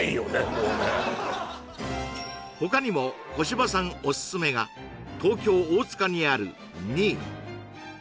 もうね他にも小芝さんオススメが東京大塚にあるＮｉｉ